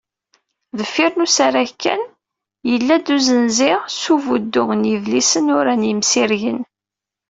Deffir n usarag-a kan, yella-d usenzi s ubuddu n yidlisen uran yimsirgen.